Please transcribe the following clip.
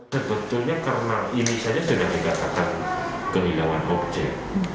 sebetulnya karena ini saja sudah dikatakan kehilangan objek